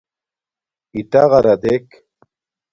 اِٹَغَرݳ دݵک.